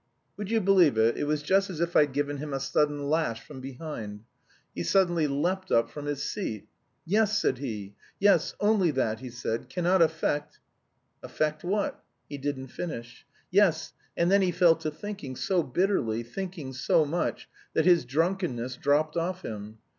Would you believe it, it was just as if I'd given him a sudden lash from behind. He simply leapt up from his seat. 'Yes,' said he, '... yes, only that,' he said, 'cannot affect...' 'Affect what?' He didn't finish. Yes, and then he fell to thinking so bitterly, thinking so much, that his drunkenness dropped off him.